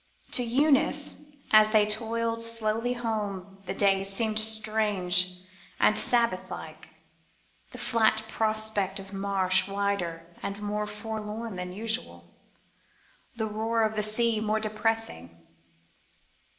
To Eunice as they toiled slowly home the day seemed strange and Sabbath like, the flat prospect of marsh wilder and more forlorn than usual, the roar of the sea more depressing.